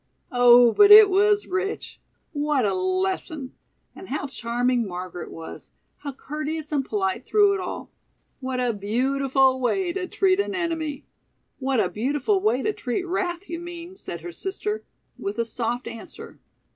Oh, but it was rich! What a lesson! And how charming Margaret was! How courteous and polite through it all. What a beautiful way to treat an enemy!" "What a beautiful way to treat wrath, you mean," said her sister; "with 'a soft answer.'"